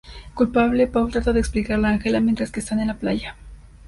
Culpable, Paul trata de explicarle a Angela, mientras que están en la playa.